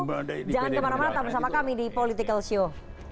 jangan kemana mana tamu sama kami di political show